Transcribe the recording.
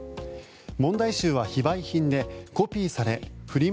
問題集は非売品でコピーされフリマ